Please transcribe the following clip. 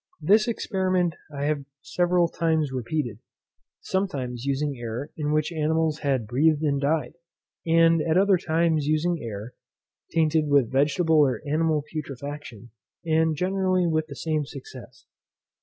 This experiment I have several times repeated; sometimes using air in which animals had breathed and died, and at other times using air, tainted with vegetable or animal putrefaction; and generally with the same success.